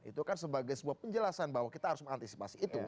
itu kan sebagai sebuah penjelasan bahwa kita harus mengantisipasi itu